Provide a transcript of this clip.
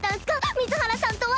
水原さんとは。